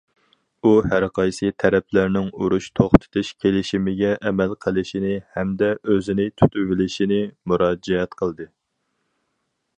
ئۇ ھەرقايسى تەرەپلەرنىڭ ئۇرۇش توختىتىش كېلىشىمىگە ئەمەل قىلىشىنى ھەمدە ئۆزىنى تۇتۇۋېلىشىنى مۇراجىئەت قىلدى.